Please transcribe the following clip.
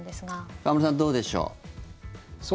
河村さん、どうでしょう。